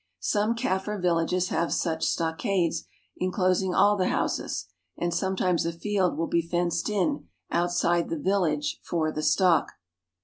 Some Kaffir villages have such stockades inclosing all the houses, and some times a field will be fenced in, outside the village, for the stock.